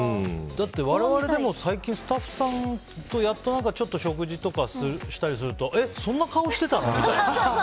だって我々でもスタッフさんと最近やっと食事とかしたりするとえ、そんな顔してたの？みたいな。